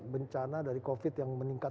bencana dari covid yang meningkat